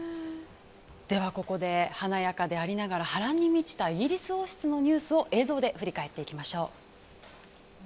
では、ここで華やかでありながら波乱に満ちたイギリス王室のニュースを映像で振り返っていきましょう。